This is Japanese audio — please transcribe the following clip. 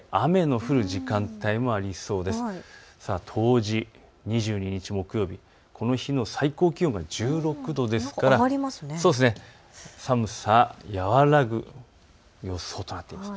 冬至、２２日木曜日、この日の最高気温が１６度ですから寒さ、和らぐ予想となっています。